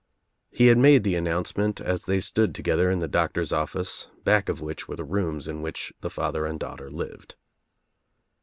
He had made the announcement as they stood together in the Doc tor's office, back of which were the rooms in which the father and daughter lived.